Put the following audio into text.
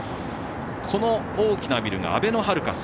この大きなビルがあべのハルカス。